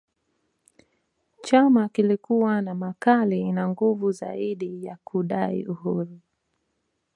Chama kilikuwa na makali na nguvu zaidi ya kudai uhuru